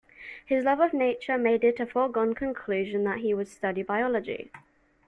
His love of nature made it a foregone conclusion that he would study biology